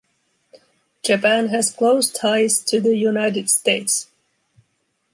Japan has close ties to the United States.